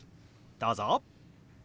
どうぞ。